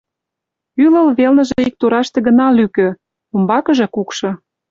Ӱлыл велныже ик тураште гына лӱкӧ, умбакыже кукшо.